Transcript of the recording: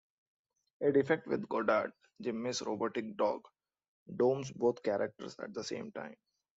A defect with Goddard, Jimmy's robotic dog, dooms both characters at the same time.